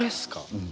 うん。